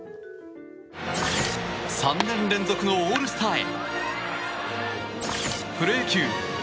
３年連続のオールスターへ。